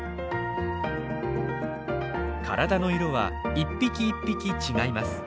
体の色は一匹一匹違います。